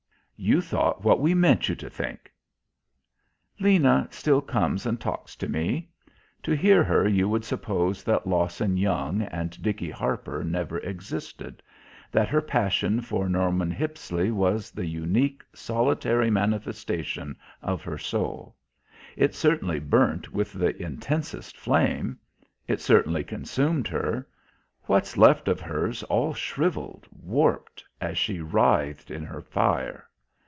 You thought what we meant you to think." Lena still comes and talks to me. To hear her you would suppose that Lawson Young and Dickey Harper never existed, that her passion for Norman Hippisley was the unique, solitary manifestation of her soul. It certainly burnt with the intensest flame. It certainly consumed her. What's left of her's all shrivelled, warped, as she writhed in her fire.